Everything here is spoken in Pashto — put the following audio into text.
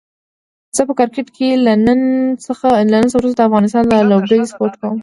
زه په کرکټ کې له نن وروسته د افغانستان لوبډله سپوټ کووم